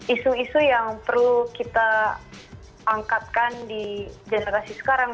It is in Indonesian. isu isu yang perlu kita angkatkan di generasi sekarang